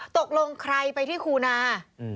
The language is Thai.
ตกลงใครไปที่คูนา